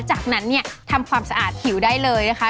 จากนั้นเนี่ยทำความสะอาดผิวได้เลยนะคะ